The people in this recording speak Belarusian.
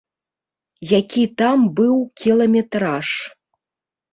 Які там быў кіламетраж?